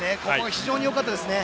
非常によかったですね。